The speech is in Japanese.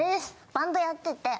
バンドやってて。